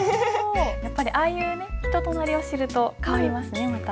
やっぱりああいうね人となりを知ると変わりますねまた。